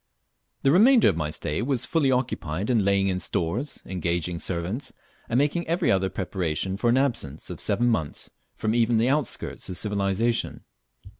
The remainder of my stay was fully occupied in laying in stores, engaging servants, and making every other preparation for an absence of seven months from even the outskirts of civilization.